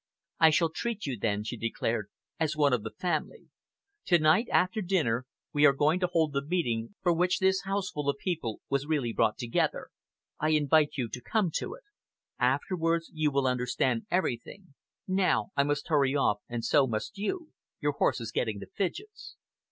"I shall treat you then," she declared, "as one of the family. To night, after dinner, we are going to hold the meeting for which this houseful of people was really brought together. I invite you to come to it. Afterwards you will understand everything! Now I must hurry off, and so must you! Your horse is getting the fidgets."